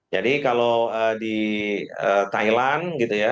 jadi kalau di thailand gitu ya